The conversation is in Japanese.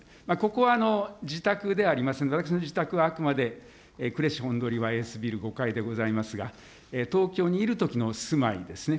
ここは、自宅ではありません、私の自宅は、あくまで呉市ほんどおりわいえすビル５階でございますが、東京にいるときの住まいですね。